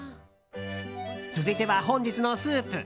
続いては、本日のスープ。